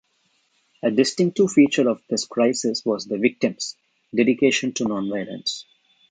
A distinctive feature of this crisis was the victims' dedication to non-violence.